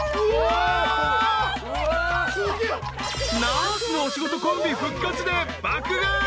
［『ナースのお仕事』コンビ復活で爆買い］